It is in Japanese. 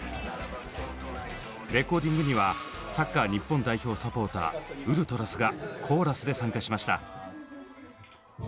レコーディングにはサッカー日本代表サポーターＵＬＴＲＡＳがコーラスで参加しました。